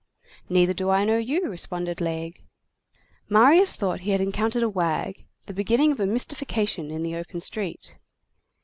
"Neither do I know you," responded Laigle. Marius thought he had encountered a wag, the beginning of a mystification in the open street.